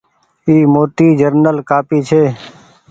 اي موٽي جنرل ڪآپي ڇي۔